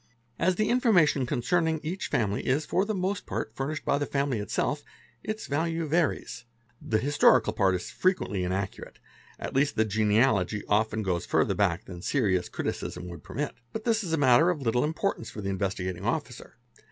As the information concerning each family is for the most part furnished — by the family itself, its value varies. The historical part is frequently — inaccurate, at least the genealogy often goes further back than serious criticism would permit. But this isa matter of little importance for the Investigating Officer.